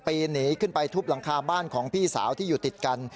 หนีขึ้นไปทุบหลังคาบ้านของพี่สาวที่อยู่ติดกัน